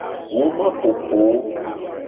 Woma popo.